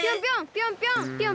ぴょんぴょん！